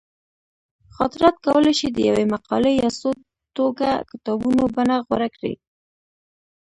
خاطرات کولی شي د یوې مقالې یا څو ټوکه کتابونو بڼه غوره کړي.